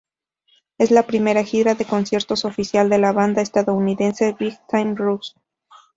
Es la primera gira de conciertos oficial de la banda estadounidense Big Time Rush.